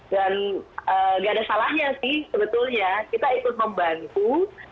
nggak ada salahnya sih sebetulnya kita ikut membantu